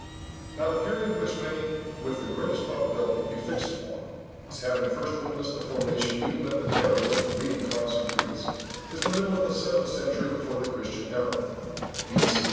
Now the period which may with the greatest probability be fixed upon as having first witnessed the formation even of the narrowest reading class in Greece, is the middle of the seventh century before the Christian æra (B.C.